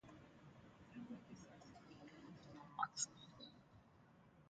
Through this circle he came to know Max Scheler.